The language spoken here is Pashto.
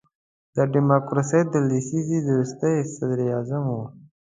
د ډیموکراسۍ د لسیزې وروستی صدر اعظم وو.